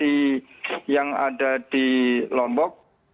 di yang ada di lombok